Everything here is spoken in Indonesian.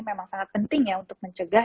memang sangat penting ya untuk mencegah